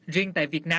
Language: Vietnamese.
riêng tại việt nam